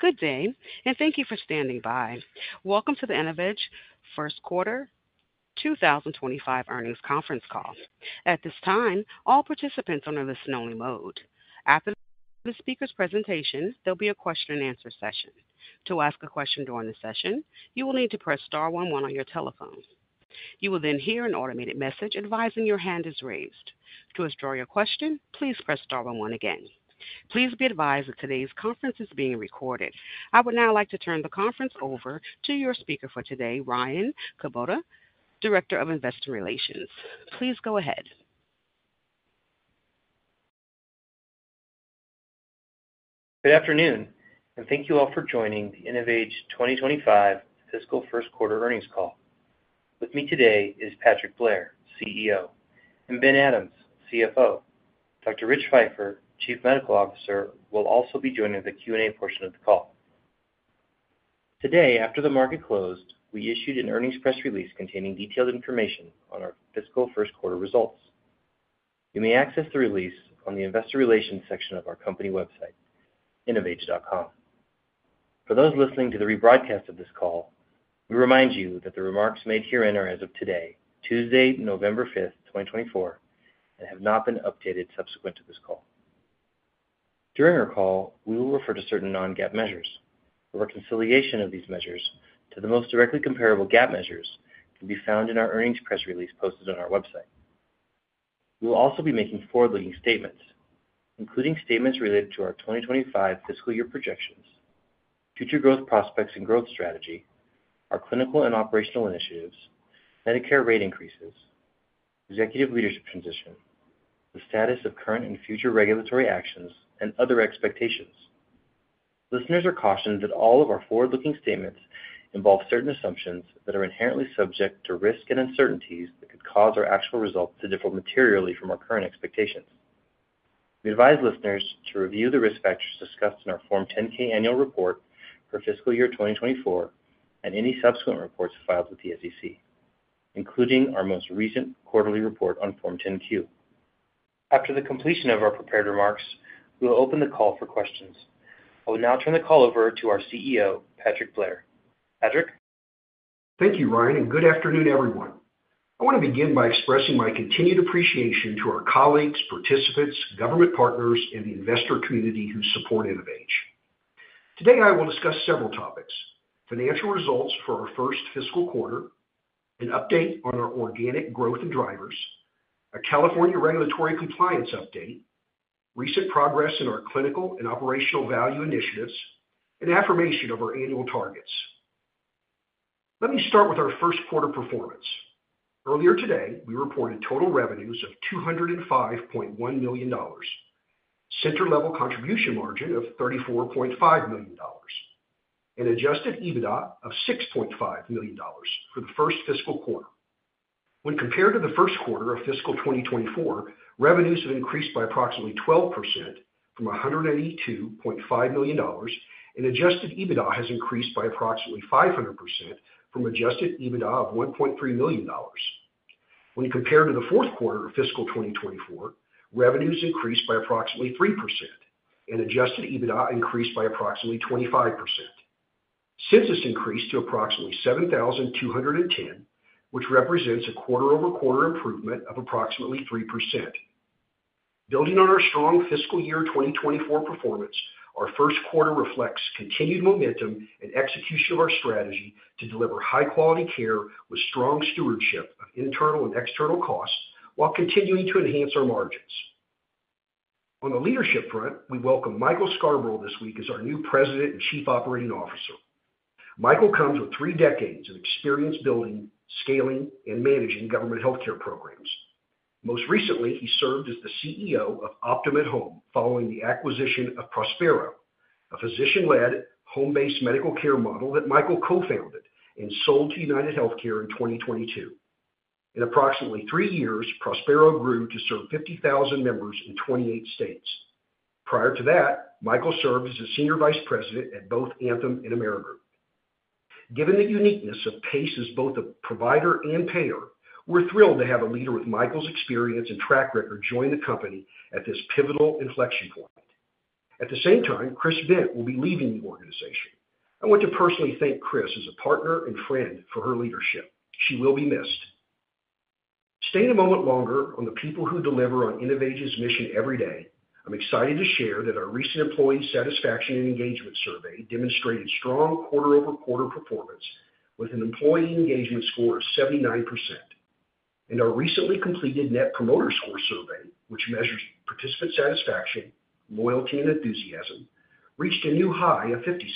Good day, and thank you for standing by. Welcome to the InnovAge First Quarter 2025 Earnings Conference Call. At this time, all participants are in a listen-only mode. After the speaker's presentation, there'll be a question-and-answer session. To ask a question during the session, you will need to press star 11 on your telephone. You will then hear an automated message advising your hand is raised. To withdraw your question, please press star 11 again. Please be advised that today's conference is being recorded. I would now like to turn the conference over to your speaker for today, Ryan Kubota, Director of Investor Relations. Please go ahead. Good afternoon, and thank you all for joining the InnovAge 2025 fiscal first quarter earnings call. With me today is Patrick Blair, CEO, and Ben Adams, CFO. Dr. Rich Feifer, Chief Medical Officer, will also be joining the Q&A portion of the call. Today, after the market closed, we issued an earnings press release containing detailed information on our fiscal first quarter results. You may access the release on the investor relations section of our company website, innovage.com. For those listening to the rebroadcast of this call, we remind you that the remarks made herein are as of today, Tuesday, November 5th, 2024, have not been updated subsequent to this call. During our call, we will refer to certain non-GAAP measures. The reconciliation of these measures to the most directly comparable GAAP measures can be found in our earnings press release posted on our website. We will also be making forward-looking statements, including statements related to our 2025 fiscal year projections, future growth prospects and growth strategy, our clinical and operational initiatives, Medicare rate increases, executive leadership transition, the status of current and future regulatory actions, and other expectations. Listeners are cautioned that all of our forward-looking statements involve certain assumptions that are inherently subject to risk and uncertainties that could cause our actual results to differ materially from our current expectations. We advise listeners to review the risk factors discussed in our Form 10-K annual report for fiscal year 2024 and any subsequent reports filed with the SEC, including our most recent quarterly report on Form 10-Q. After the completion of our prepared remarks, we will open the call for questions. I will now turn the call over to our CEO, Patrick Blair. Patrick. Thank you, Ryan, and good afternoon, everyone. I want to begin by expressing my continued appreciation to our colleagues, participants, government partners, and the investor community who support InnovAge. Today, I will discuss several topics: financial results for our first fiscal quarter, an update on our organic growth and drivers, a California regulatory compliance update, recent progress in our clinical and operational value initiatives, and affirmation of our annual targets. Let me start with our first quarter performance. Earlier today, we reported total revenues of $205.1 million, a center-level contribution margin of $34.5 million, and an Adjusted EBITDA of $6.5 million for the first fiscal quarter. When compared to the first quarter of fiscal 2024, revenues have increased by approximately 12% from $182.5 million, and Adjusted EBITDA has increased by approximately 500% from Adjusted EBITDA of $1.3 million. When compared to the fourth quarter of fiscal 2024, revenues increased by approximately 3%, and Adjusted EBITDA increased by approximately 25%. Census increased to approximately $7,210, which represents a quarter-over-quarter improvement of approximately 3%. Building on our strong fiscal year 2024 performance, our first quarter reflects continued momentum and execution of our strategy to deliver high-quality care with strong stewardship of internal and external costs while continuing to enhance our margins. On the leadership front, we welcome Michael Scarbrough this week as our new President and Chief Operating Officer. Michael comes with three decades of experience building, scaling, and managing government healthcare programs. Most recently, he served as the CEO of Optum at Home following the acquisition of Prospero, a physician-led home-based medical care model that Michael co-founded and sold to UnitedHealthcare in 2022. In approximately three years, Prospero grew to serve 50,000 members in 28 states. Prior to that, Michael served as a Senior Vice President at both Anthem and Amerigroup. Given the uniqueness of PACE as both a provider and payer, we're thrilled to have a leader with Michael's experience and track record join the company at this pivotal inflection point. At the same time, Chris Bent will be leaving the organization. I want to personally thank Chris as a partner and friend for her leadership. She will be missed. Staying a moment longer on the people who deliver on InnovAge's mission every day, I'm excited to share that our recent employee satisfaction and engagement survey demonstrated strong quarter-over-quarter performance with an employee engagement score of 79%, and our recently completed Net Promoter Score survey, which measures participant satisfaction, loyalty, and enthusiasm, reached a new high of 56,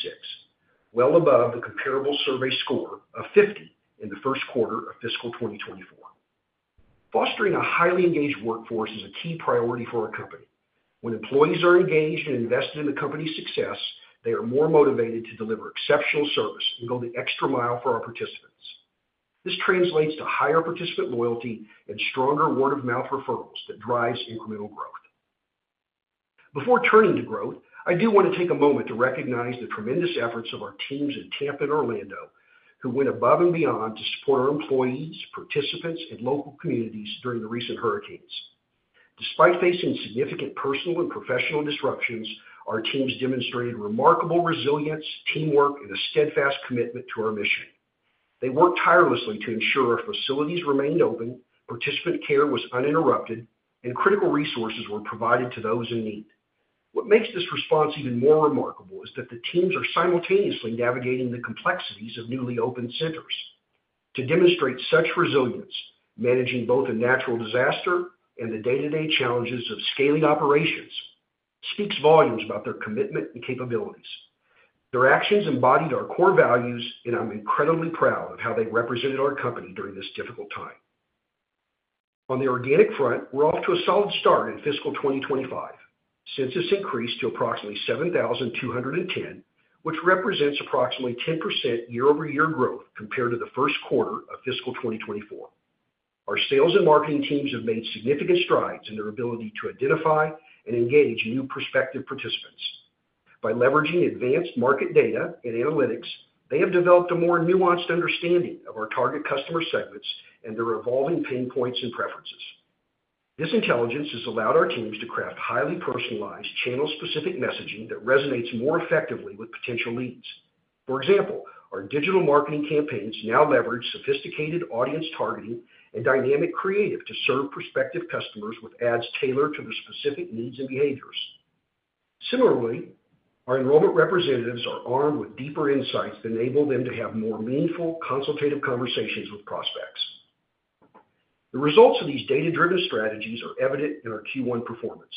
well above the comparable survey score of 50 in the first quarter of fiscal 2024. Fostering a highly engaged workforce is a key priority for our company. When employees are engaged and invested in the company's success, they are more motivated to deliver exceptional service and go the extra mile for our participants. This translates to higher participant loyalty and stronger word-of-mouth referrals that drive incremental growth. Before turning to growth, I do want to take a moment to recognize the tremendous efforts of our teams at Tampa and Orlando, who went above and beyond to support our employees, participants, and local communities during the recent hurricanes. Despite facing significant personal and professional disruptions, our teams demonstrated remarkable resilience, teamwork, and a steadfast commitment to our mission. They worked tirelessly to ensure our facilities remained open, participant care was uninterrupted, and critical resources were provided to those in need. What makes this response even more remarkable is that the teams are simultaneously navigating the complexities of newly opened centers. To demonstrate such resilience, managing both a natural disaster and the day-to-day challenges of scaling operations speaks volumes about their commitment and capabilities. Their actions embodied our core values, and I'm incredibly proud of how they represented our company during this difficult time. On the organic front, we're off to a solid start in fiscal 2025. Census increased to approximately $7,210, which represents approximately 10% year-over-year growth compared to the first quarter of fiscal 2024. Our sales and marketing teams have made significant strides in their ability to identify and engage new prospective participants. By leveraging advanced market data and analytics, they have developed a more nuanced understanding of our target customer segments and their evolving pain points and preferences. This intelligence has allowed our teams to craft highly personalized, channel-specific messaging that resonates more effectively with potential leads. For example, our digital marketing campaigns now leverage sophisticated audience targeting and dynamic creative to serve prospective customers with ads tailored to their specific needs and behaviors. Similarly, our enrollment representatives are armed with deeper insights that enable them to have more meaningful consultative conversations with prospects. The results of these data-driven strategies are evident in our Q1 performance,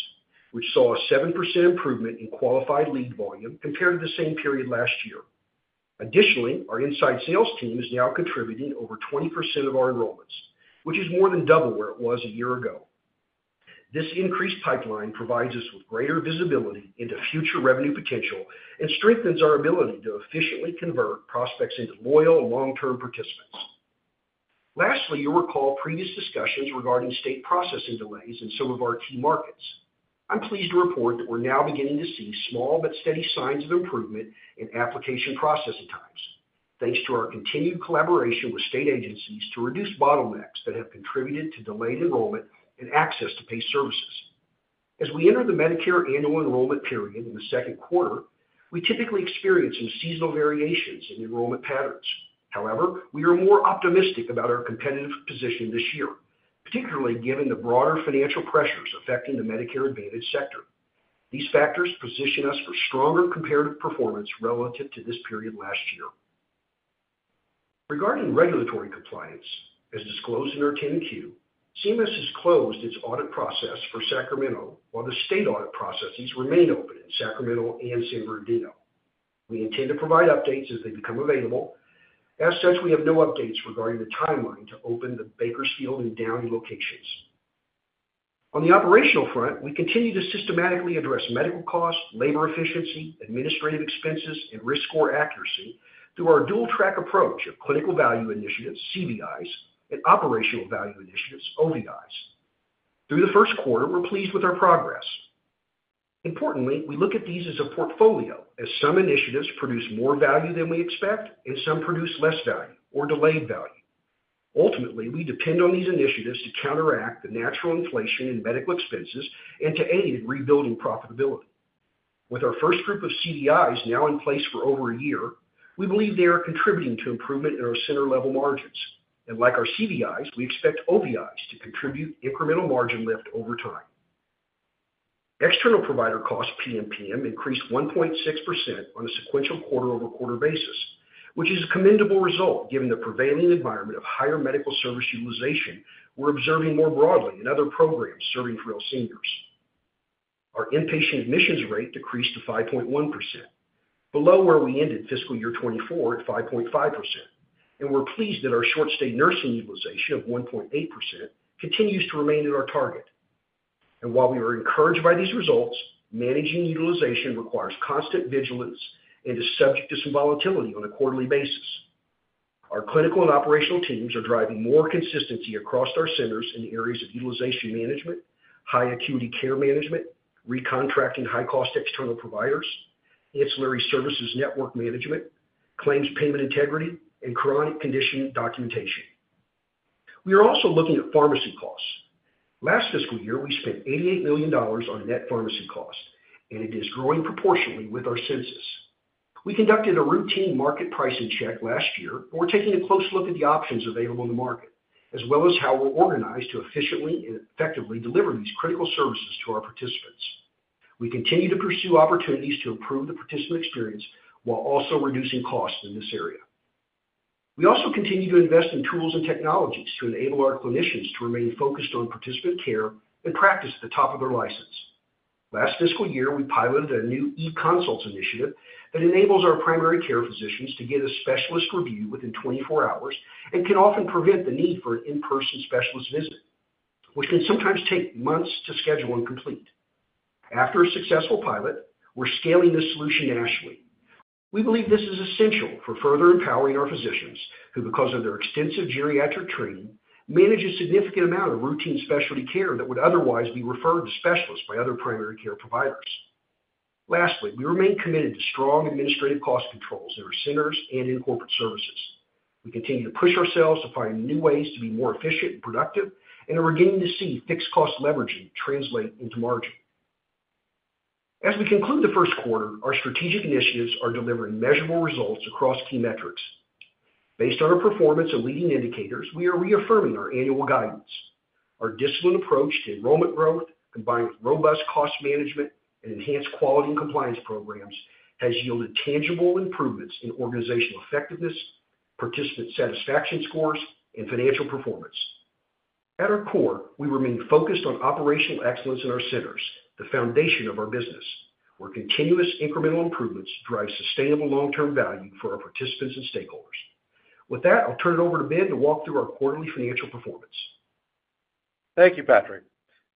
which saw a 7% improvement in qualified lead volume compared to the same period last year. Additionally, our inside sales team is now contributing over 20% of our enrollments, which is more than double where it was a year ago. This increased pipeline provides us with greater visibility into future revenue potential and strengthens our ability to efficiently convert prospects into loyal, long-term participants. Lastly, you'll recall previous discussions regarding state processing delays in some of our key markets. I'm pleased to report that we're now beginning to see small but steady signs of improvement in application processing times, thanks to our continued collaboration with state agencies to reduce bottlenecks that have contributed to delayed enrollment and access to paid services. As we enter the Medicare annual enrollment period in the second quarter, we typically experience some seasonal variations in enrollment patterns. However, we are more optimistic about our competitive position this year, particularly given the broader financial pressures affecting the Medicare Advantage sector. These factors position us for stronger comparative performance relative to this period last year. Regarding regulatory compliance, as disclosed in our 10-Q, CMS has closed its audit process for Sacramento, while the state audit processes remain open in Sacramento and San Bernardino. We intend to provide updates as they become available. As such, we have no updates regarding the timeline to open the Bakersfield and Downey locations. On the operational front, we continue to systematically address medical costs, labor efficiency, administrative expenses, and risk score accuracy through our dual-track approach of clinical value initiatives, CVIs, and operational value initiatives, OVIs. Through the first quarter, we're pleased with our progress. Importantly, we look at these as a portfolio, as some initiatives produce more value than we expect, and some produce less value or delayed value. Ultimately, we depend on these initiatives to counteract the natural inflation in medical expenses and to aid in rebuilding profitability. With our first group of CVIs now in place for over a year, we believe they are contributing to improvement in our center-level margins. Like our CVIs, we expect OVIs to contribute incremental margin lift over time. External provider costs PMPM increased 1.6% on a sequential quarter-over-quarter basis, which is a commendable result given the prevailing environment of higher medical service utilization we're observing more broadly in other programs serving frail seniors. Our inpatient admissions rate decreased to 5.1%, below where we ended fiscal year 2024 at 5.5%. We're pleased that our short-stay nursing utilization of 1.8% continues to remain at our target. While we are encouraged by these results, managing utilization requires constant vigilance and is subject to some volatility on a quarterly basis. Our clinical and operational teams are driving more consistency across our centers in the areas of utilization management, high-acuity care management, recontracting high-cost external providers, ancillary services network management, claims payment integrity, and chronic condition documentation. We are also looking at pharmacy costs. Last fiscal year, we spent $88 million on net pharmacy costs, and it is growing proportionally with our census. We conducted a routine market pricing check last year before taking a close look at the options available in the market, as well as how we're organized to efficiently and effectively deliver these critical services to our participants. We continue to pursue opportunities to improve the participant experience while also reducing costs in this area. We also continue to invest in tools and technologies to enable our clinicians to remain focused on participant care and practice at the top of their license. Last fiscal year, we piloted a new e-consults initiative that enables our primary care physicians to get a specialist review within 24 hours and can often prevent the need for an in-person specialist visit, which can sometimes take months to schedule and complete. After a successful pilot, we're scaling this solution nationally. We believe this is essential for further empowering our physicians who, because of their extensive geriatric training, manage a significant amount of routine specialty care that would otherwise be referred to specialists by other primary care providers. Lastly, we remain committed to strong administrative cost controls in our centers and in corporate services. We continue to push ourselves to find new ways to be more efficient and productive, and are beginning to see fixed-cost leveraging translate into margin. As we conclude the first quarter, our strategic initiatives are delivering measurable results across key metrics. Based on our performance and leading indicators, we are reaffirming our annual guidance. Our disciplined approach to enrollment growth, combined with robust cost management and enhanced quality and compliance programs, has yielded tangible improvements in organizational effectiveness, participant satisfaction scores, and financial performance. At our core, we remain focused on operational excellence in our centers, the foundation of our business, where continuous incremental improvements drive sustainable long-term value for our participants and stakeholders. With that, I'll turn it over to Ben to walk through our quarterly financial performance. Thank you, Patrick.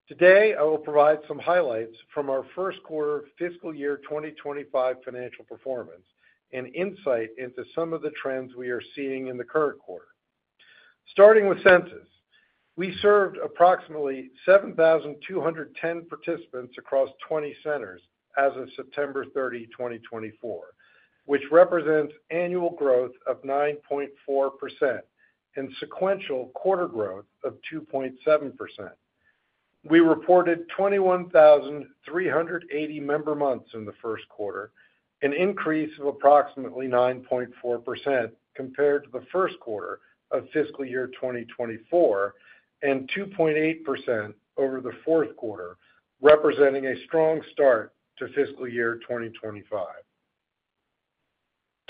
Today, I will provide some highlights from our first quarter fiscal year 2025 financial performance and insight into some of the trends we are seeing in the current quarter. Starting with census, we served approximately 7,210 participants across 20 centers as of September 30, 2024, which represents annual growth of 9.4% and sequential quarter growth of 2.7%. We reported 21,380 member months in the first quarter, an increase of approximately 9.4% compared to the first quarter of fiscal year 2024, and 2.8% over the fourth quarter, representing a strong start to fiscal year 2025.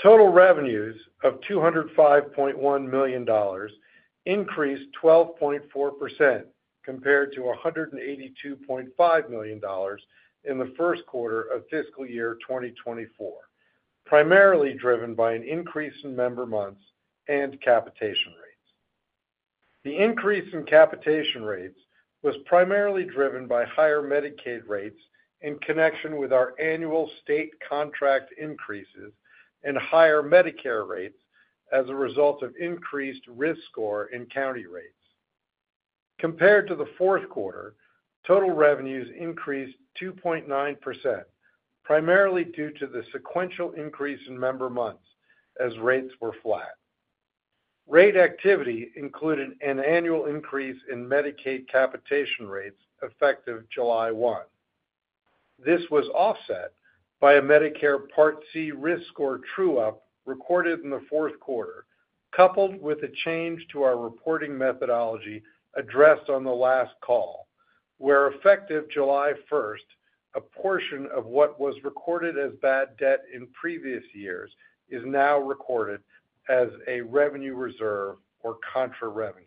Total revenues of $205.1 million increased 12.4% compared to $182.5 million in the first quarter of fiscal year 2024, primarily driven by an increase in member months and capitation rates. The increase in capitation rates was primarily driven by higher Medicaid rates in connection with our annual state contract increases and higher Medicare rates as a result of increased risk score in county rates. Compared to the fourth quarter, total revenues increased 2.9%, primarily due to the sequential increase in member months as rates were flat. Rate activity included an annual increase in Medicaid capitation rates effective July 1. This was offset by a Medicare Part C risk score true-up recorded in the fourth quarter, coupled with a change to our reporting methodology addressed on the last call, where effective July 1, a portion of what was recorded as bad debt in previous years is now recorded as a revenue reserve or contra revenue.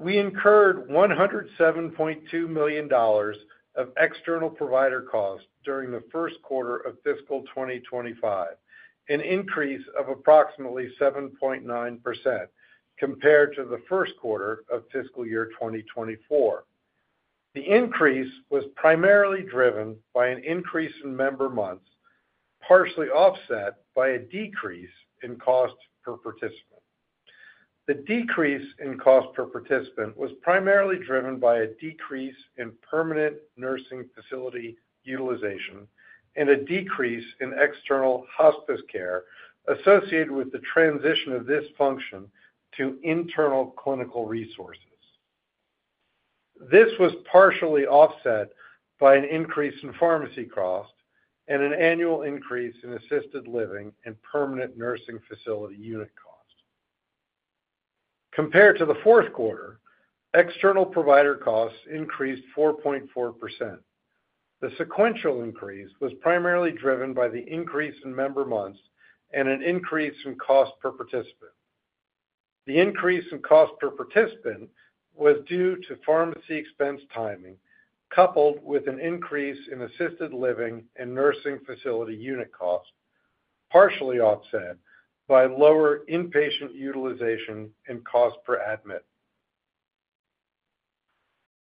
We incurred $107.2 million of external provider costs during the first quarter of fiscal 2025, an increase of approximately 7.9% compared to the first quarter of fiscal year 2024. The increase was primarily driven by an increase in member months, partially offset by a decrease in cost per participant. The decrease in cost per participant was primarily driven by a decrease in permanent nursing facility utilization and a decrease in external hospice care associated with the transition of this function to internal clinical resources. This was partially offset by an increase in pharmacy costs and an annual increase in assisted living and permanent nursing facility unit costs. Compared to the fourth quarter, external provider costs increased 4.4%. The sequential increase was primarily driven by the increase in member months and an increase in cost per participant. The increase in cost per participant was due to pharmacy expense timing, coupled with an increase in assisted living and nursing facility unit costs, partially offset by lower inpatient utilization and cost per admit.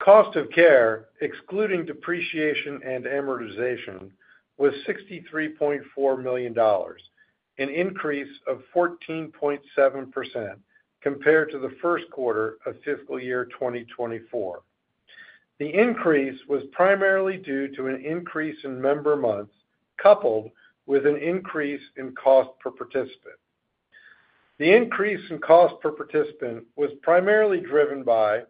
Cost of care, excluding depreciation and amortization, was $63.4 million, an increase of 14.7% compared to the first quarter of fiscal year 2024. The increase was primarily due to an increase in member months, coupled with an increase in cost per participant. The increase in cost per participant was primarily driven by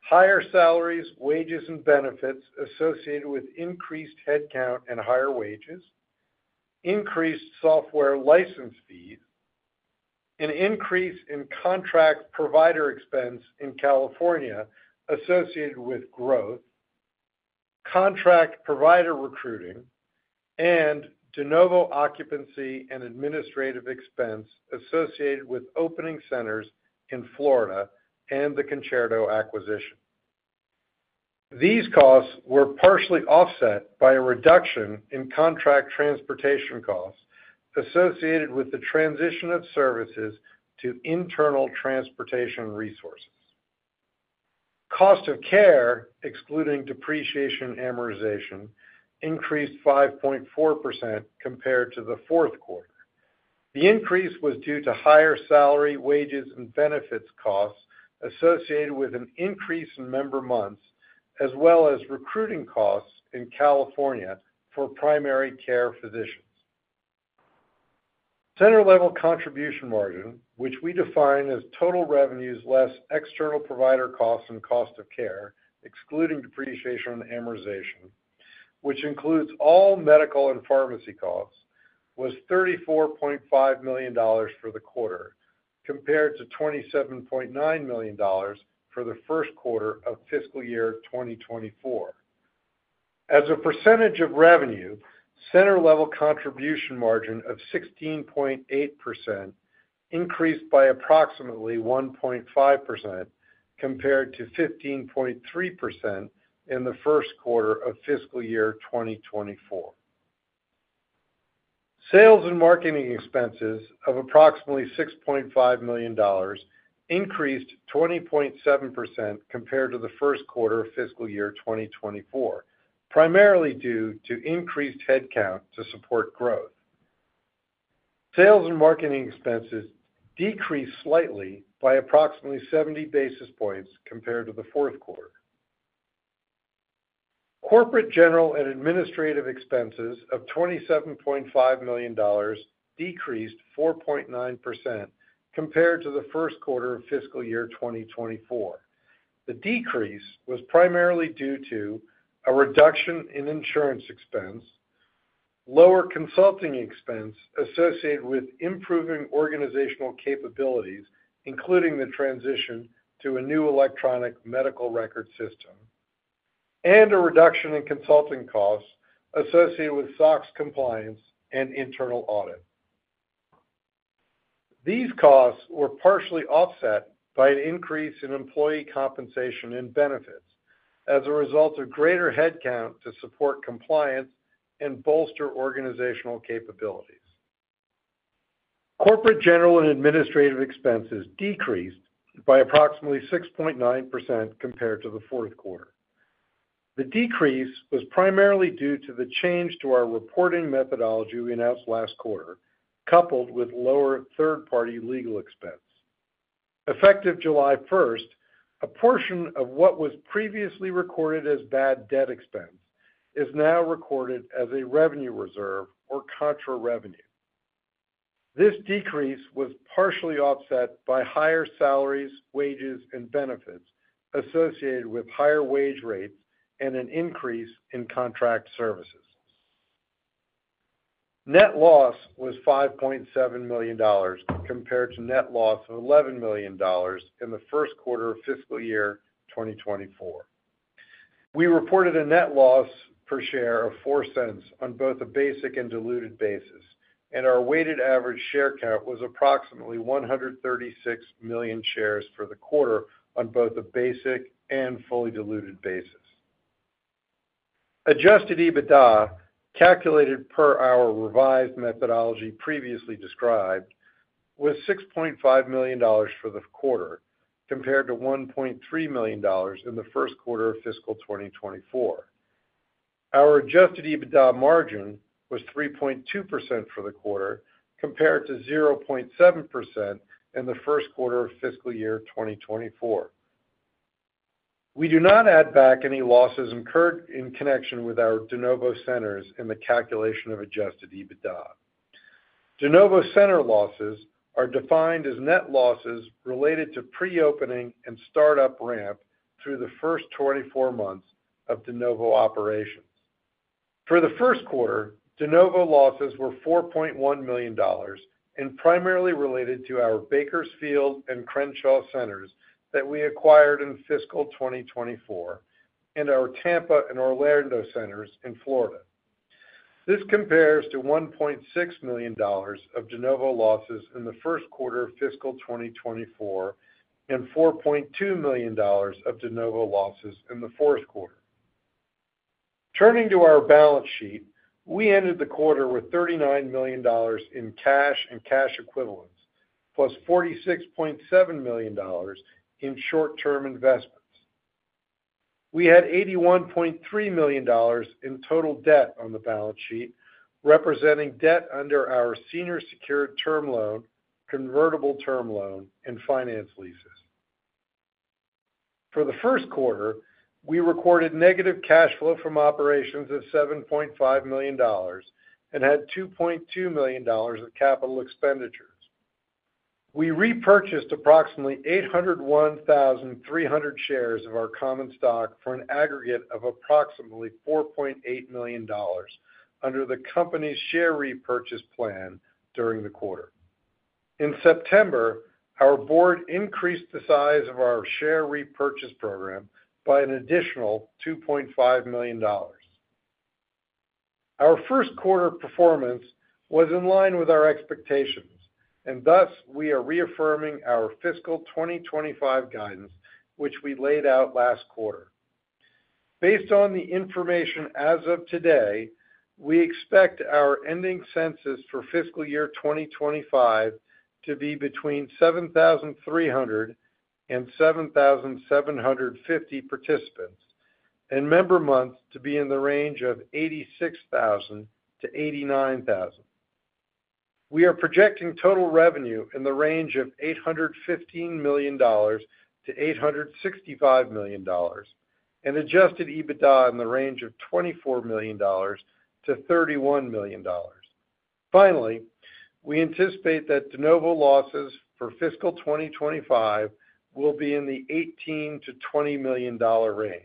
higher salaries, wages, and benefits associated with increased headcount and higher wages, increased software license fees, an increase in contract provider expense in California associated with growth, contract provider recruiting, and de novo occupancy and administrative expense associated with opening centers in Florida and the Concerto acquisition. These costs were partially offset by a reduction in contract transportation costs associated with the transition of services to internal transportation resources. Cost of care, excluding depreciation and amortization, increased 5.4% compared to the fourth quarter. The increase was due to higher salary, wages, and benefits costs associated with an increase in member months, as well as recruiting costs in California for primary care physicians. Center-level contribution margin, which we define as total revenues less external provider costs and cost of care, excluding depreciation and amortization, which includes all medical and pharmacy costs, was $34.5 million for the quarter, compared to $27.9 million for the first quarter of fiscal year 2024. As a percentage of revenue, center-level contribution margin of 16.8% increased by approximately 1.5% compared to 15.3% in the first quarter of fiscal year 2024. Sales and marketing expenses of approximately $6.5 million increased 20.7% compared to the first quarter of fiscal year 2024, primarily due to increased headcount to support growth. Sales and marketing expenses decreased slightly by approximately 70 basis points compared to the fourth quarter. Corporate general and administrative expenses of $27.5 million decreased 4.9% compared to the first quarter of fiscal year 2024. The decrease was primarily due to a reduction in insurance expense, lower consulting expense associated with improving organizational capabilities, including the transition to a new electronic medical record system, and a reduction in consulting costs associated with SOX compliance and internal audit. These costs were partially offset by an increase in employee compensation and benefits as a result of greater headcount to support compliance and bolster organizational capabilities. Corporate general and administrative expenses decreased by approximately 6.9% compared to the fourth quarter. The decrease was primarily due to the change to our reporting methodology we announced last quarter, coupled with lower third-party legal expense. Effective July 1, a portion of what was previously recorded as bad debt expense is now recorded as a revenue reserve or contra revenue. This decrease was partially offset by higher salaries, wages, and benefits associated with higher wage rates and an increase in contract services. Net loss was $5.7 million compared to net loss of $11 million in the first quarter of fiscal year 2024. We reported a net loss per share of $0.04 on both a basic and diluted basis, and our weighted average share count was approximately 136 million shares for the quarter on both a basic and fully diluted basis. Adjusted EBITDA, calculated per our revised methodology previously described, was $6.5 million for the quarter compared to $1.3 million in the first quarter of fiscal 2024. Our Adjusted EBITDA margin was 3.2% for the quarter compared to 0.7% in the first quarter of fiscal year 2024. We do not add back any losses incurred in connection with our de novo centers in the calculation of Adjusted EBITDA. De novo center losses are defined as net losses related to pre-opening and startup ramp through the first 24 months of de novo operations. For the first quarter, de novo losses were $4.1 million and primarily related to our Bakersfield and Crenshaw centers that we acquired in fiscal 2024 and our Tampa and Orlando centers in Florida. This compares to $1.6 million of de novo losses in the first quarter of fiscal 2024 and $4.2 million of de novo losses in the fourth quarter. Turning to our balance sheet, we ended the quarter with $39 million in cash and cash equivalents, plus $46.7 million in short-term investments. We had $81.3 million in total debt on the balance sheet, representing debt under our senior secured term loan, convertible term loan, and finance leases. For the first quarter, we recorded negative cash flow from operations of $7.5 million and had $2.2 million of capital expenditures. We repurchased approximately 801,300 shares of our common stock for an aggregate of approximately $4.8 million under the company's share repurchase plan during the quarter. In September, our board increased the size of our share repurchase program by an additional $2.5 million. Our first quarter performance was in line with our expectations, and thus we are reaffirming our fiscal 2025 guidance, which we laid out last quarter. Based on the information as of today, we expect our ending census for fiscal year 2025 to be between 7,300 and 7,750 participants, and member months to be in the range of 86,000 to 89,000. We are projecting total revenue in the range of $815 million to $865 million, and Adjusted EBITDA in the range of $24 million to $31 million. Finally, we anticipate that de novo losses for fiscal 2025 will be in the $18 to $20 million range.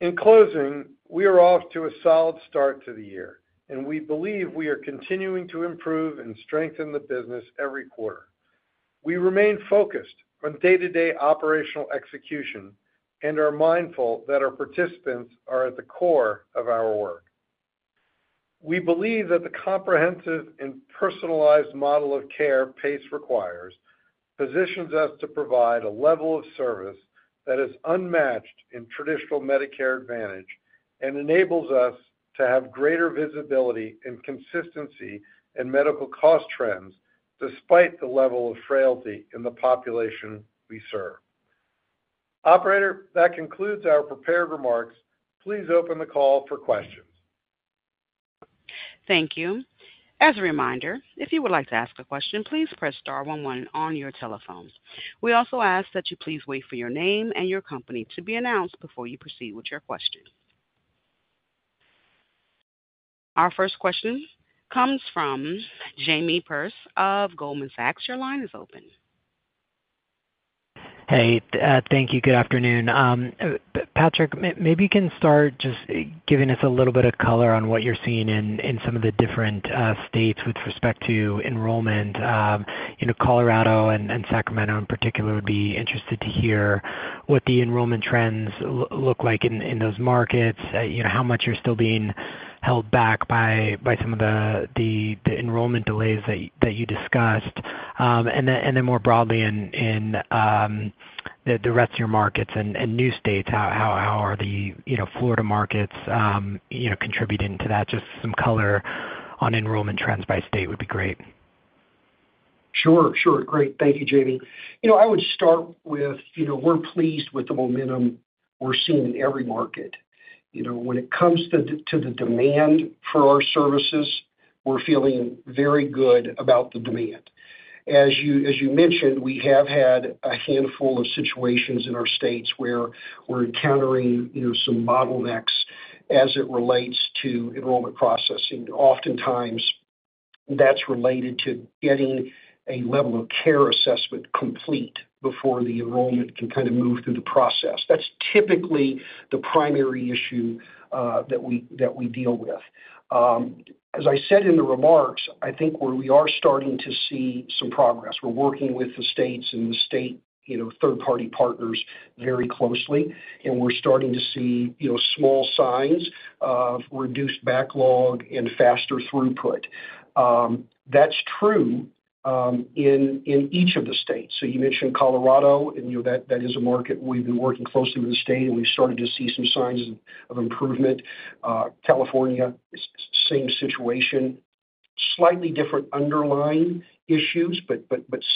In closing, we are off to a solid start to the year, and we believe we are continuing to improve and strengthen the business every quarter. We remain focused on day-to-day operational execution and are mindful that our participants are at the core of our work. We believe that the comprehensive and personalized model of care PACE requires positions us to provide a level of service that is unmatched in traditional Medicare Advantage and enables us to have greater visibility and consistency in medical cost trends despite the level of frailty in the population we serve. Operator, that concludes our prepared remarks. Please open the call for questions. Thank you. As a reminder, if you would like to ask a question, please press star 11 on your telephone. We also ask that you please wait for your name and your company to be announced before you proceed with your question. Our first question comes from Jamie Perse of Goldman Sachs. Your line is open. Hey, thank you. Good afternoon. Patrick, maybe you can start just giving us a little bit of color on what you're seeing in some of the different states with respect to enrollment. Colorado and Sacramento in particular would be interested to hear what the enrollment trends look like in those markets, how much you're still being held back by some of the enrollment delays that you discussed, and then more broadly in the rest of your markets and new states. How are the Florida markets contributing to that? Just some color on enrollment trends by state would be great. Sure, sure. Great. Thank you, Jamie. I would start with we're pleased with the momentum we're seeing in every market. When it comes to the demand for our services, we're feeling very good about the demand. As you mentioned, we have had a handful of situations in our states where we're encountering some bottlenecks as it relates to enrollment processing. Oftentimes, that's related to getting a level of care assessment complete before the enrollment can kind of move through the process. That's typically the primary issue that we deal with. As I said in the remarks, I think we are starting to see some progress. We're working with the states and the state third-party partners very closely, and we're starting to see small signs of reduced backlog and faster throughput. That's true in each of the states, so you mentioned Colorado, and that is a market we've been working closely with the state, and we've started to see some signs of improvement. California is the same situation, slightly different underlying issues, but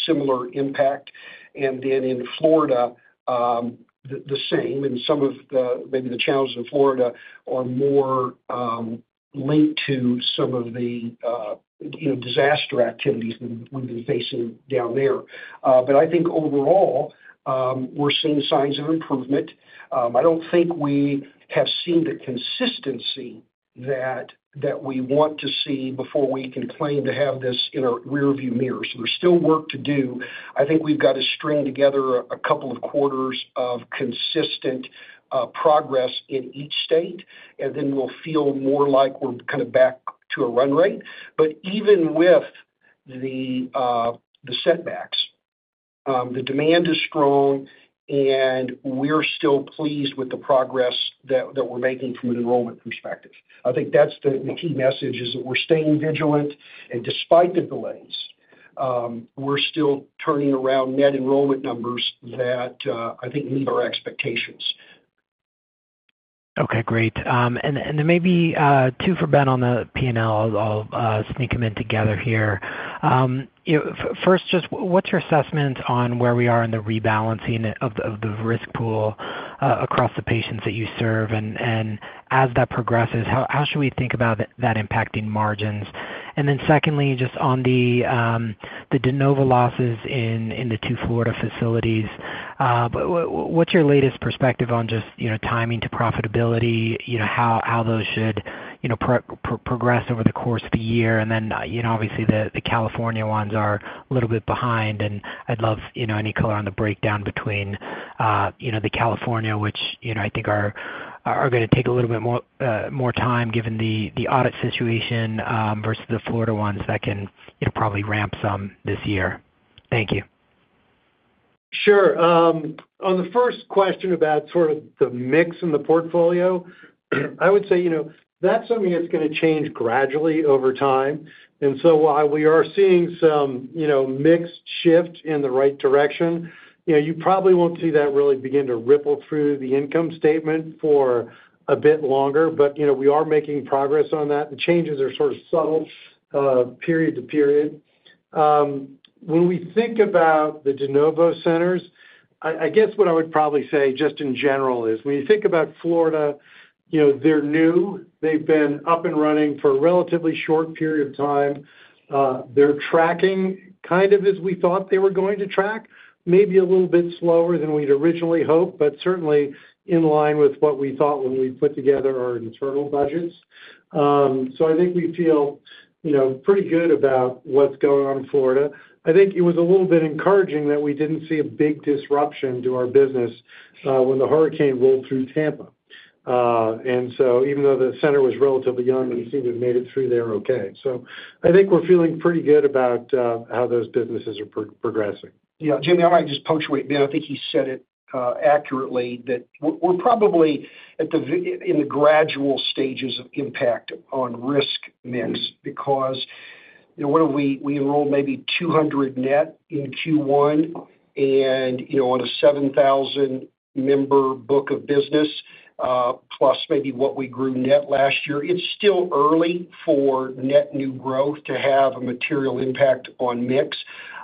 similar impact, and then in Florida, the same. Some of the challenges in Florida are more linked to some of the disaster activities we've been facing down there. I think overall, we're seeing signs of improvement. I don't think we have seen the consistency that we want to see before we can claim to have this in our rearview mirror. There's still work to do. I think we've got to string together a couple of quarters of consistent progress in each state, and then we'll feel more like we're kind of back to a run rate. Even with the setbacks, the demand is strong, and we're still pleased with the progress that we're making from an enrollment perspective. I think that's the key message, is that we're staying vigilant, and despite the delays, we're still turning around net enrollment numbers that I think meet our expectations. Okay, great and then maybe two for Ben on the P&L. I'll sneak them in together here. First, just what's your assessment on where we are in the rebalancing of the risk pool across the patients that you serve? And as that progresses, how should we think about that impacting margins? And then secondly, just on the de novo losses in the two Florida facilities, what's your latest perspective on just timing to profitability, how those should progress over the course of the year? And then obviously, the California ones are a little bit behind, and I'd love any color on the breakdown between the California, which I think are going to take a little bit more time given the audit situation versus the Florida ones that can probably ramp some this year. Thank you. Sure, on the first question about sort of the mix in the portfolio, I would say that's something that's going to change gradually over time, and so while we are seeing some mix shift in the right direction, you probably won't see that really begin to ripple through the income statement for a bit longer, but we are making progress on that. The changes are sort of subtle, period to period. When we think about the de novo centers, I guess what I would probably say just in general is when you think about Florida, they're new. They've been up and running for a relatively short period of time. They're tracking kind of as we thought they were going to track, maybe a little bit slower than we'd originally hoped, but certainly in line with what we thought when we put together our internal budgets. So I think we feel pretty good about what's going on in Florida. I think it was a little bit encouraging that we didn't see a big disruption to our business when the hurricane rolled through Tampa. And so even though the center was relatively young and seemed to have made it through there okay, so I think we're feeling pretty good about how those businesses are progressing. Yeah. Jamie, I might just punctuate that. I think you said it accurately that we're probably in the gradual stages of impact on risk mix because we enrolled maybe 200 net in Q1 and on a 7,000 member book of business, plus maybe what we grew net last year. It's still early for net new growth to have a material impact on mix.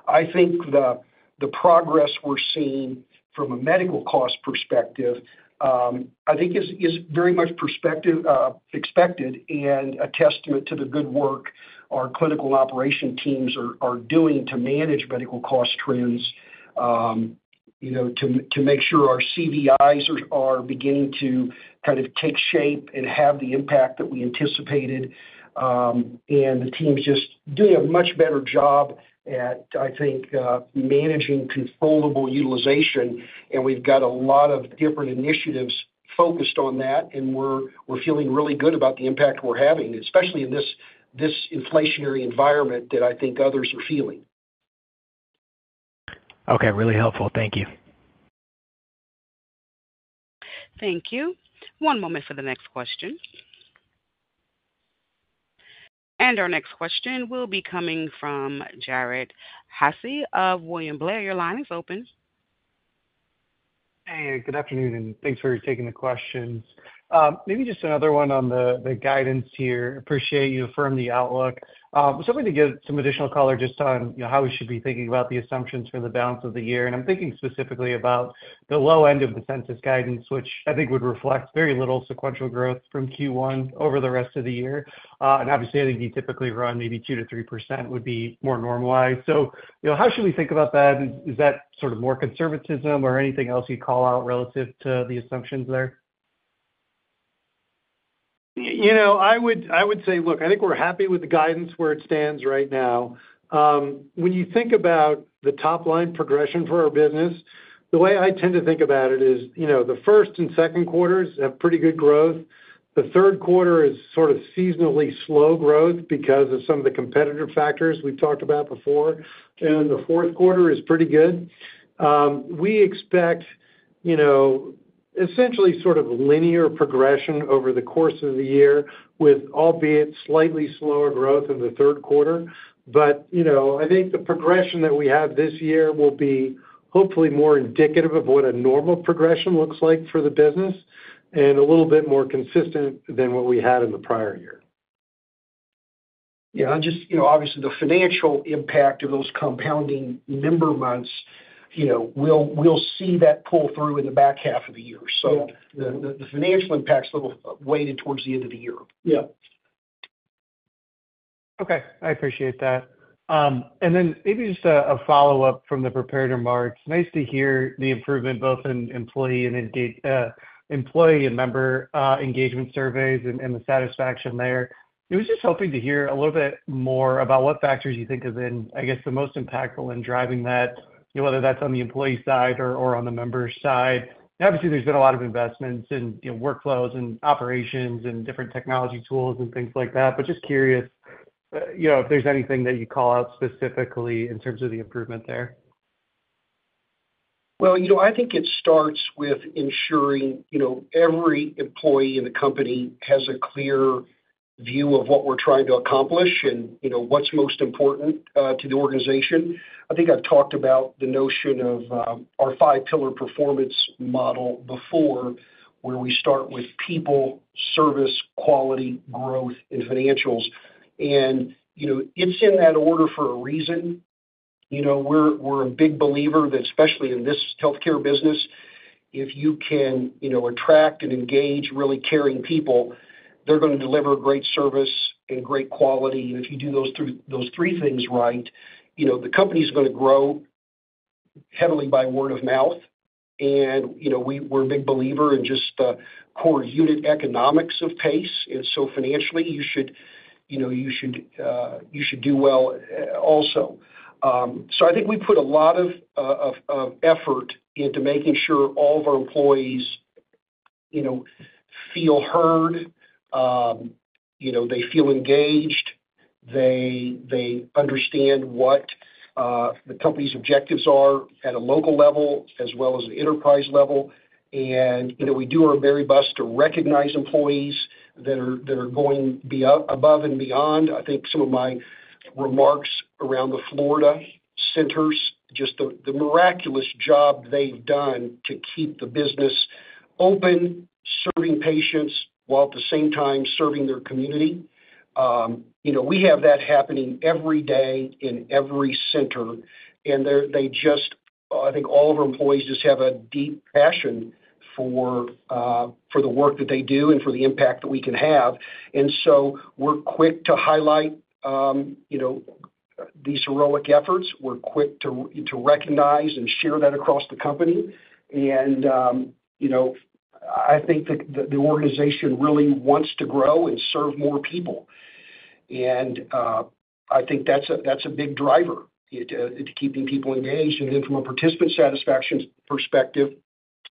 I think the progress we're seeing from a medical cost perspective, I think, is very much expected and a testament to the good work our clinical and operations teams are doing to manage medical cost trends, to make sure our CVIs are beginning to kind of take shape and have the impact that we anticipated. And the teams just doing a much better job at, I think, managing controllable utilization. And we've got a lot of different initiatives focused on that, and we're feeling really good about the impact we're having, especially in this inflationary environment that I think others are feeling. Okay. Really helpful. Thank you. Thank you. One moment for the next question. And our next question will be coming from Jared Haase of William Blair. Your line is open. Hey, good afternoon, and thanks for taking the questions. Maybe just another one on the guidance here. appreciate you affirming the outlook. So, I wanted to get some additional color just on how we should be thinking about the assumptions for the balance of the year. And, I'm thinking specifically about the low end of the census guidance, which I think would reflect very little sequential growth from Q1 over the rest of the year. And obviously, I think you typically run maybe 2% to 3% would be more normalized. So, how should we think about that? Is that sort of more conservatism or anything else you'd call out relative to the assumptions there? I would say, look, I think we're happy with the guidance where it stands right now. When you think about the top-line progression for our business, the way I tend to think about it is the first and second quarters have pretty good growth. The third quarter is sort of seasonally slow growth because of some of the competitor factors we've talked about before. And the fourth quarter is pretty good. We expect essentially sort of linear progression over the course of the year, with albeit slightly slower growth in the third quarter. But I think the progression that we have this year will be hopefully more indicative of what a normal progression looks like for the business and a little bit more consistent than what we had in the prior year. Yeah. Obviously, the financial impact of those compounding member months, we'll see that pull through in the back half of the year. So the financial impact's a little weighted towards the end of the year. Yeah. Okay. I appreciate that. And then maybe just a follow-up from the prepared remarks. Nice to hear the improvement both in employee and member engagement surveys and the satisfaction there. I was just hoping to hear a little bit more about what factors you think have been, I guess, the most impactful in driving that, whether that's on the employee side or on the member side. Obviously, there's been a lot of investments in workflows and operations and different technology tools and things like that, but just curious if there's anything that you call out specifically in terms of the improvement there. Well, I think it starts with ensuring every employee in the company has a clear view of what we're trying to accomplish and what's most important to the organization. I think I've talked about the notion of our five-pillar performance model before, where we start with people, service, quality, growth, and financials, and it's in that order for a reason. We're a big believer that, especially in this healthcare business, if you can attract and engage really caring people, they're going to deliver great service and great quality. And if you do those three things right, the company's going to grow heavily by word of mouth. And we're a big believer in just the core unit economics of PACE. And so financially, you should do well also. So I think we put a lot of effort into making sure all of our employees feel heard. They feel engaged. They understand what the company's objectives are at a local level as well as an enterprise level. And we do our very best to recognize employees that are going above and beyond. I think some of my remarks around the Florida centers, just the miraculous job they've done to keep the business open, serving patients while at the same time serving their community. We have that happening every day in every center, and I think all of our employees just have a deep passion for the work that they do and for the impact that we can have, and so we're quick to highlight these heroic efforts. We're quick to recognize and share that across the company, and I think the organization really wants to grow and serve more people, and I think that's a big driver to keeping people engaged, and then from a participant satisfaction perspective,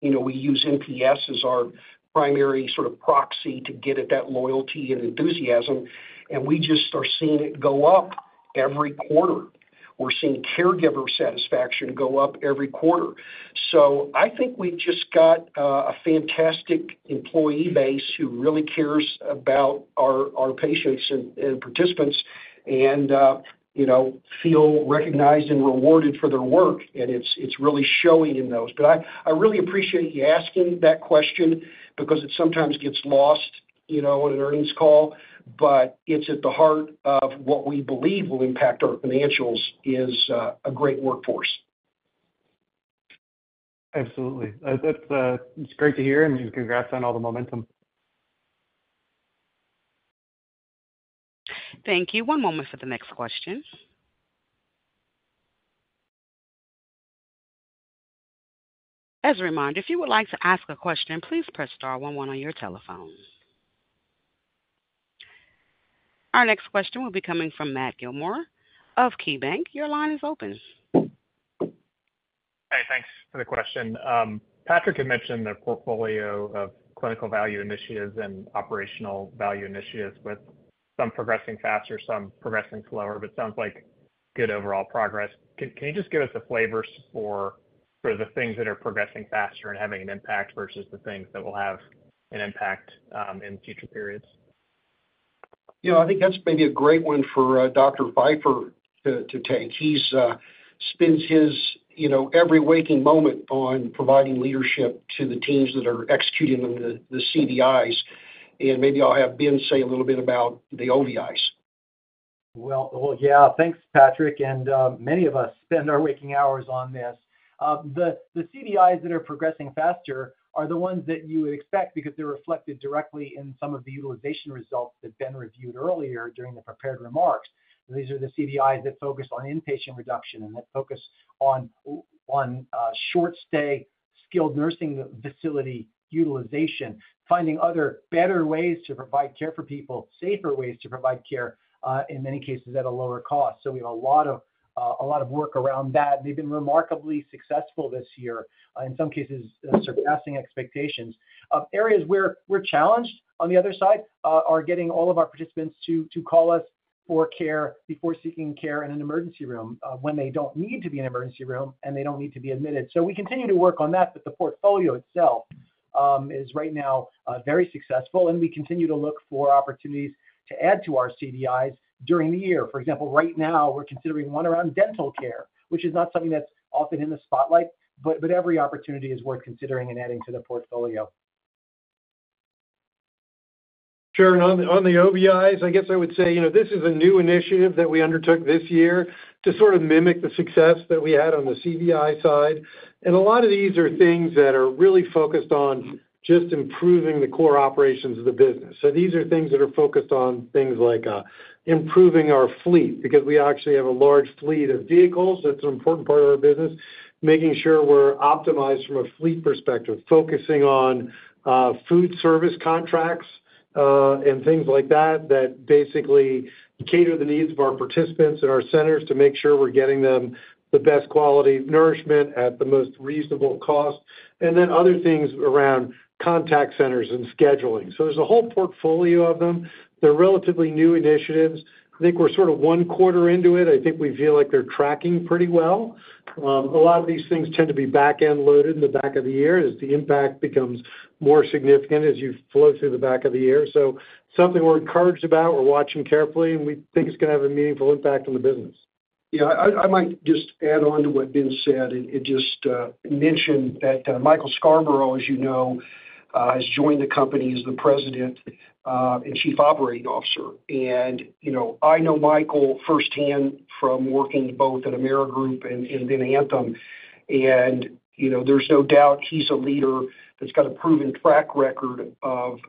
we use NPS as our primary sort of proxy to get at that loyalty and enthusiasm, and we just are seeing it go up every quarter. We're seeing caregiver satisfaction go up every quarter. So I think we've just got a fantastic employee base who really cares about our patients and participants and feel recognized and rewarded for their work. And it's really showing in those. But I really appreciate you asking that question because it sometimes gets lost on an earnings call, but it's at the heart of what we believe will impact our financials is a great workforce. Absolutely. That's great to hear. And congrats on all the momentum. Thank you. One moment for the next question. As a reminder, if you would like to ask a question, please press star 11 on your telephone. Our next question will be coming from Matt Gilmore of KeyBanc. Your line is open. Hey, thanks for the question. Patrick had mentioned their portfolio of Clinical Value Initiatives and Operational Value Initiatives with some progressing faster, some progressing slower, but it sounds like good overall progress. Can you just give us a flavor for the things that are progressing faster and having an impact versus the things that will have an impact in future periods? Yeah. I think that's maybe a great one for Dr. Feifer to take. He spends his every waking moment on providing leadership to the teams that are executing the CVIs, and maybe I'll have Ben say a little bit about the OVIs. Well, yeah. Thanks, Patrick, and many of us spend our waking hours on this. The CVIs that are progressing faster are the ones that you would expect because they're reflected directly in some of the utilization results that Ben reviewed earlier during the prepared remarks. These are the CVIs that focus on inpatient reduction and that focus on short-stay skilled nursing facility utilization, finding other better ways to provide care for people, safer ways to provide care in many cases at a lower cost. So we have a lot of work around that. They've been remarkably successful this year, in some cases surpassing expectations. Areas where we're challenged on the other side are getting all of our participants to call us for care before seeking care in an emergency room when they don't need to be in an emergency room and they don't need to be admitted. So we continue to work on that, but the portfolio itself is right now very successful, and we continue to look for opportunities to add to our CVIs during the year. For example, right now, we're considering one around dental care, which is not something that's often in the spotlight, but every opportunity is worth considering and adding to the portfolio. Sure, and on the OVIs, I guess I would say this is a new initiative that we undertook this year to sort of mimic the success that we had on the CVI side. And a lot of these are things that are really focused on just improving the core operations of the business, so these are things that are focused on things like improving our fleet because we actually have a large fleet of vehicles. That's an important part of our business, making sure we're optimized from a fleet perspective, focusing on food service contracts and things like that that basically cater to the needs of our participants and our centers to make sure we're getting them the best quality nourishment at the most reasonable cost, and then other things around contact centers and scheduling, so there's a whole portfolio of them. They're relatively new initiatives. I think we're sort of one quarter into it. I think we feel like they're tracking pretty well. A lot of these things tend to be back-end loaded in the back of the year as the impact becomes more significant as you flow through the back of the year, so something we're encouraged about, we're watching carefully, and we think it's going to have a meaningful impact on the business. Yeah. I might just add on to what Ben said, and just mention that Michael Scarbrough, as you know, has joined the company as the President and Chief Operating Officer. I know Michael firsthand from working both at Amerigroup and then Anthem, and there's no doubt he's a leader that's got a proven track record of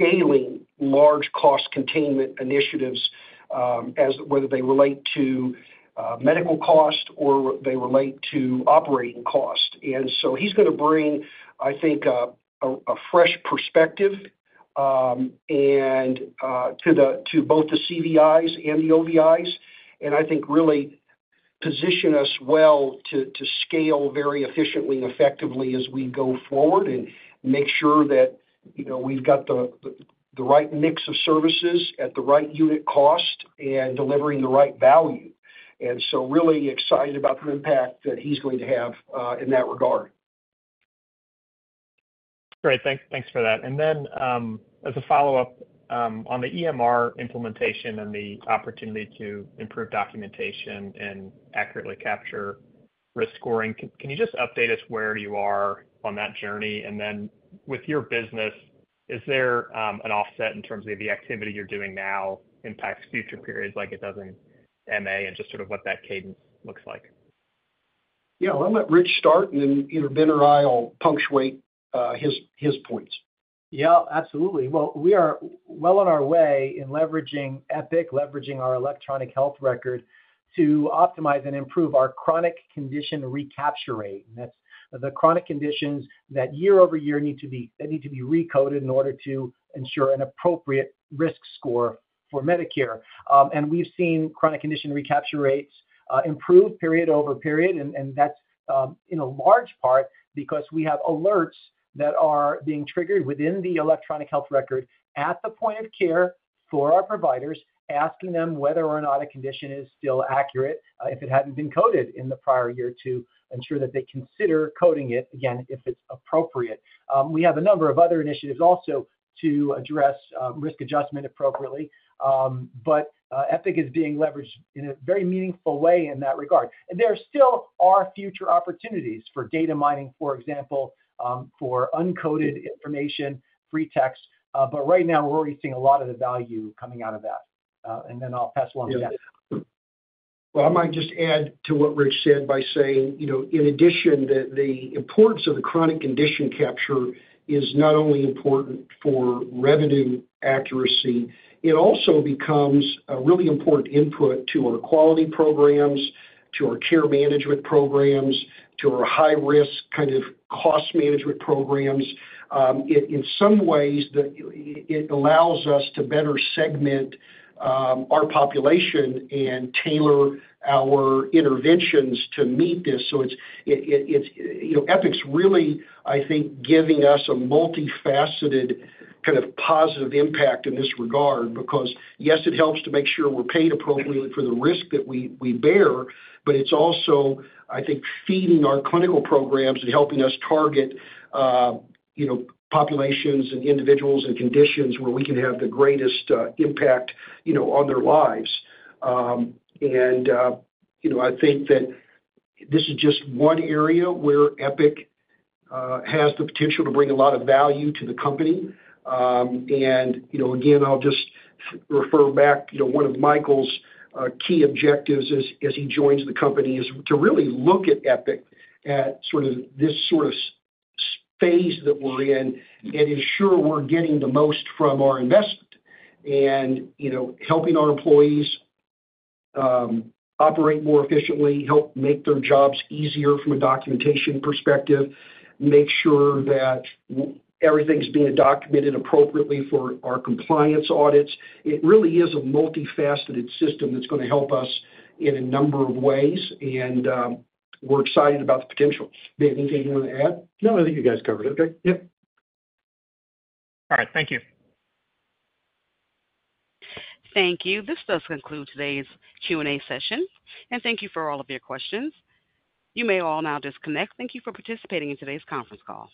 scaling large cost containment initiatives, whether they relate to medical cost or they relate to operating cost. He's going to bring, I think, a fresh perspective to both the CVIs and the OVIs and I think really position us well to scale very efficiently and effectively as we go forward and make sure that we've got the right mix of services at the right unit cost and delivering the right value. Really excited about the impact that he's going to have in that regard. Great. Thanks for that. And then as a follow-up on the EMR implementation and the opportunity to improve documentation and accurately capture risk scoring, can you just update us where you are on that journey? And then with your business, is there an offset in terms of the activity you're doing now impacts future periods like it does in MA and just sort of what that cadence looks like? Yeah. I'll let Rich start, and then Ben or I will punctuate his points. Yeah. Absolutely. Well, we are well on our way in leveraging Epic, leveraging our electronic health record to optimize and improve our chronic condition recapture rate. And that's the chronic conditions that year over year need to be recoded in order to ensure an appropriate risk score for Medicare. And we've seen chronic condition recapture rates improve period over period. That's in a large part because we have alerts that are being triggered within the electronic health record at the point of care for our providers, asking them whether or not a condition is still accurate if it hadn't been coded in the prior year to ensure that they consider coding it again if it's appropriate. We have a number of other initiatives also to address risk adjustment appropriately. Epic is being leveraged in a very meaningful way in that regard. There still are future opportunities for data mining, for example, for uncoded information, free text. Right now, we're already seeing a lot of the value coming out of that. Then I'll pass along to Ben. I might just add to what Rich said by saying, in addition, the importance of the chronic condition capture is not only important for revenue accuracy. It also becomes a really important input to our quality programs, to our care management programs, to our high-risk kind of cost management programs. In some ways, it allows us to better segment our population and tailor our interventions to meet this. So Epic's really, I think, giving us a multifaceted kind of positive impact in this regard because, yes, it helps to make sure we're paid appropriately for the risk that we bear, but it's also, I think, feeding our clinical programs and helping us target populations and individuals and conditions where we can have the greatest impact on their lives. And I think that this is just one area where Epic has the potential to bring a lot of value to the company. And again, I'll just refer back to one of Michael's key objectives as he joins the company is to really look at Epic at sort of this sort of phase that we're in and ensure we're getting the most from our investment and helping our employees operate more efficiently, help make their jobs easier from a documentation perspective, make sure that everything's being documented appropriately for our compliance audits. It really is a multifaceted system that's going to help us in a number of ways. And we're excited about the potential. Ben, anything you want to add? No. I think you guys covered it. Okay. Yep. All right. Thank you. Thank you. This does conclude today's Q&A session. And thank you for all of your questions. You may all now disconnect. Thank you for participating in today's conference call.